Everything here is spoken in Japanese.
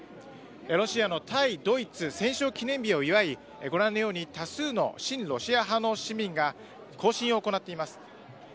ロシアの対ドイツ戦勝記念日を祝いご覧のように多数の親ロシア派の市民が行進を行っています。